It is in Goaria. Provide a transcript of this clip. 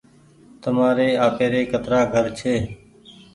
تمآري آپيري ڪترآ گهر ڇي۔